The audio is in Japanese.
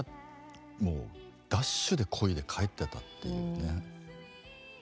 もうダッシュでこいで帰ってたっていうね。